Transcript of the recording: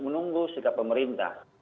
menunggu sikap pemerintah